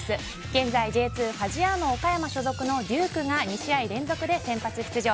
現在、Ｊ２ファジアーノ岡山所属のデュークが２試合連続で先発出場。